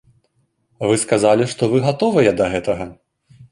Вы сказалі, што вы гатовыя да гэтага.